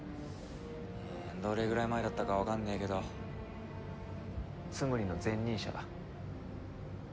どれぐらい前だったかわかんねえけどツムリの前任者だ。